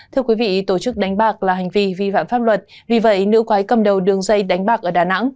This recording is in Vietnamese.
thưa quý vị tổ chức đánh bạc là hành vi vi phạm pháp luật vì vậy nữ quái cầm đầu đường dây đánh bạc ở đà nẵng